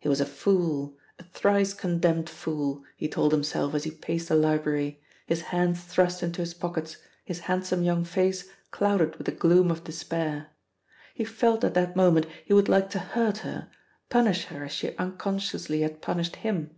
He was a fool, a thrice condemned fool, he told himself as he paced the library, his hands thrust into his pockets, his handsome young face clouded with the gloom of despair. He felt at that moment he would like to hurt her, punish her as she unconsciously had punished him.